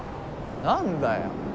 何だよ。